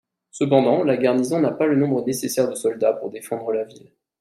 Cependant la garnison n'a pas le nombre nécessaire de soldats pour défendre la ville.